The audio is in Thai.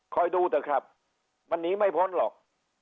ดูเถอะครับมันหนีไม่พ้นหรอก